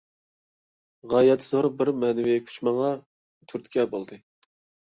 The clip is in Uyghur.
غايەت زور بىر مەنىۋى كۈچ ماڭا تۈرتكە بولدى.